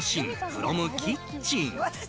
フロムキッチン」。